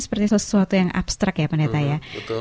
seperti sesuatu yang abstrak ya pendeta ya